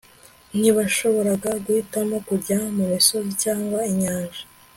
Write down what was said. ntibashoboraga guhitamo kujya mumisozi cyangwa inyanja